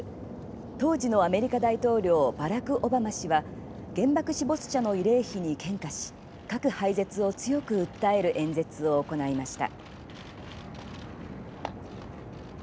当時のアメリカ大統領バラク・オバマ氏は原爆死没者の慰霊碑に献花し核廃絶を強く訴える演説を行いました。